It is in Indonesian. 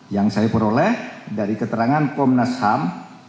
yang saya peroleh dari keterangan komnas ham